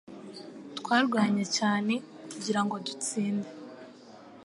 Twarwanye cyane kugirango dutsinde